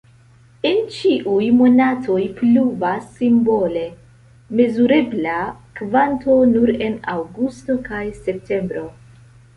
En ĉiuj monatoj pluvas simbole, mezurebla kvanto nur en aŭgusto kaj septembro.